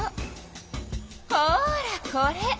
ほらこれ！